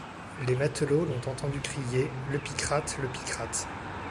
Les matelots l’ont entendu crier :« Le picrate ! le picrate !